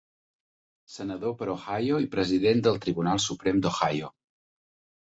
Senador per Ohio i President del Tribunal Suprem d'Ohio.